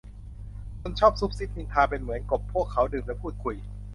คนชอบซุบซิบนินทาเป็นเหมือนกบ พวกเขาดื่มและพูดคุย